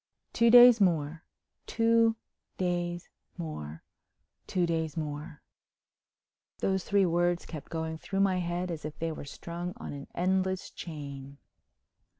Two days more—two days more—two days more—those three words kept going through my head as if they were strung on an endless chain.